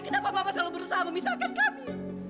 kenapa papa selalu berusaha memisahkan kami